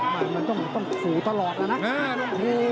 ถ้ามันต้องฝู่ตลอดนะ